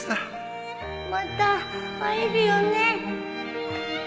また会えるよね？